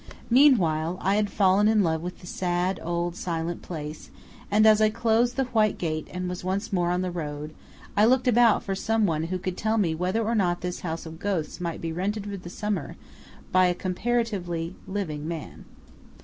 Meanwhile I had fallen in love with the sad, old, silent place, and as I closed the white gate and was once more on the road, I looked about for someone who could tell me whether or not this house of ghosts might be rented for the summer by a comparatively living man.